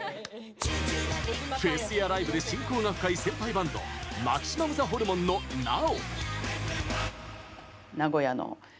フェスやライブで親交が深い先輩バンドマキシマムザホルモンのナヲ。